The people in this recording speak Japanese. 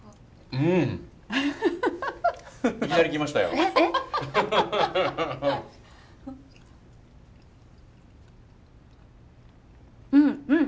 うんうん。